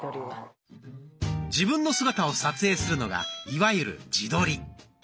自分の姿を撮影するのがいわゆる「自撮り」。